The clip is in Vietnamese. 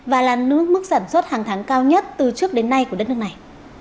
và là nước mức sản xuất hàng tháng cao nhất từ trước đến nay của đất nước này